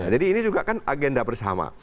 jadi ini juga kan agenda bersama